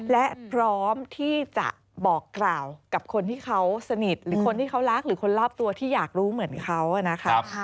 และพร้อมที่จะบอกกล่าวกับคนที่เขาสนิทหรือคนที่เขารักหรือคนรอบตัวที่อยากรู้เหมือนเขานะคะ